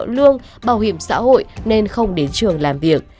lương bảo hiểm xã hội nên không đến trường làm việc